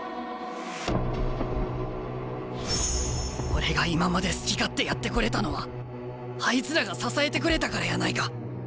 俺が今まで好き勝手やってこれたのはあいつらが支えてくれたからやないか。